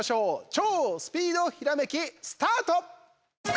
超スピードひらめき、スタート！